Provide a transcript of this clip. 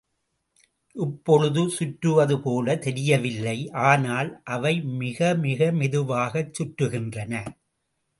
இப்பொழுது சுற்றுவதுபோல தெரியவில்லை, ஆனால், அவை மிக மிக மெதுவாகச் சுற்றுகின்றன.